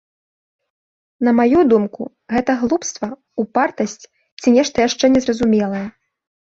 На маю думку, гэта глупства, упартасць ці нешта яшчэ незразумелае.